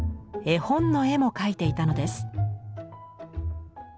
絵本の絵も描いていたのです。